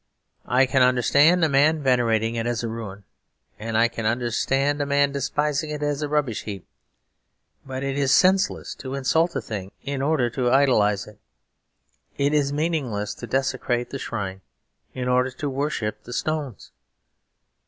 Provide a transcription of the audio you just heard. I can understand a man venerating it as a ruin; and I can understand a man despising it as a rubbish heap. But it is senseless to insult a thing in order to idolatrise it; it is meaningless to desecrate the shrine in order to worship the stones.